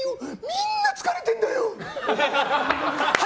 みんな疲れてんだよ！